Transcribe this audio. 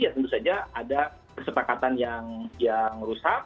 ya tentu saja ada kesepakatan yang rusak